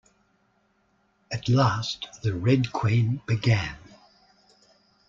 At last the Red Queen began.